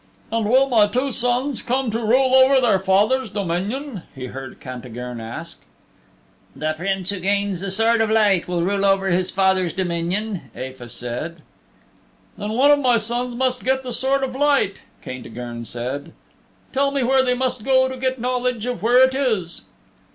"And will my two sons come to rule over their father's dominion?" he heard Caintigern ask. "The Prince who gains the Sword of Light will rule over his father's dominion," Aefa said. "Then one of my sons must get the Sword of Light," Caintigern said. "Tell me where they must go to get knowledge of where it is."